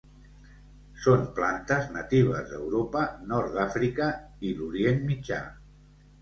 Són plantes natives d'Europa, Nord d'Àfrica i l'Orient Mitjà.